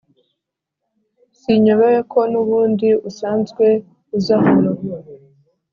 sinyobewe ko nubundi usanzwe uzahano